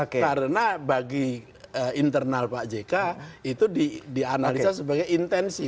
karena bagi internal pak jk itu dianalisa sebagai intensi